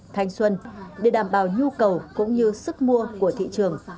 thanh xuân để đảm bảo nhu cầu cũng như sức mua của thị trường